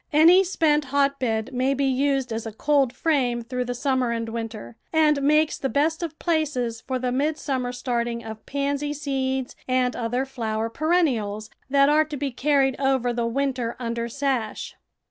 Any spent hotbed may be used as a coldframe through the summer and winter, and makes the best of places for the midsummer starting of pansy seeds and other flower perennials that are to be carried over the winter under sash.